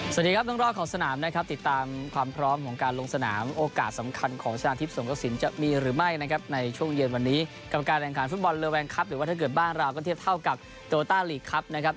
สวัสดีครับต้องรอดของสนามนะครับติดตามความพร้อมของการลงสนามโอกาสสำคัญของชนะทิพย์สงกระสินจะมีหรือไม่นะครับในช่วงเย็นวันนี้กรรมการแข่งขันฟุตบอลเลอร์แวงครับหรือว่าถ้าเกิดบ้านเราก็เทียบเท่ากับโตต้าลีกครับนะครับ